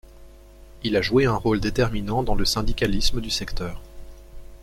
Il a joué un rôle déterminant dans le syndicalisme du secteur.